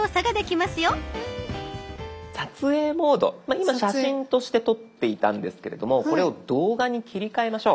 今「写真」として撮っていたんですけれどもこれを「動画」に切り替えましょう。